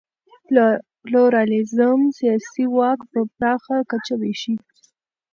پلورالېزم سیاسي واک په پراخه کچه وېشي.